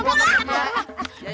tarik tarik tarik